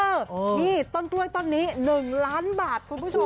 นี่ต้นกล้วยต้นนี้๑ล้านบาทคุณผู้ชม